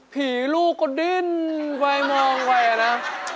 ผีลูกก็ดิ้นไปมองแหว่น่ะ